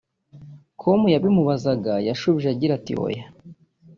com yabimubazaga yasubije agira ati “Oya